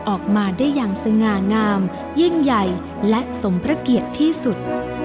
ออกมาได้อย่างสง่างามยิ่งใหญ่และสมพระเกียรติที่สุด